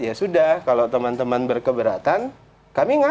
ya sudah kalau teman teman berkeberatan kami ngalah